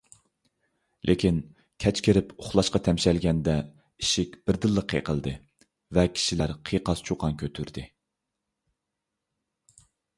لېكىن، كەچ كىرىپ ئۇخلاشقا تەمشەلگەندە، ئىشىك بىردىنلا قېقىلدى ۋە كىشىلەر قىيقاس - چۇقان كۆتۈردى.